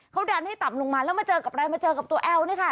เขาดันให้ต่ำลงมาแล้วมาเจอกับอะไรมาเจอกับตัวแอลเนี่ยค่ะ